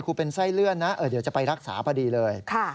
เป็นไส้เลื่อนนะเดี๋ยวจะไปรักษาพอดีเลย